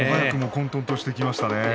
混とんとしてきましたね。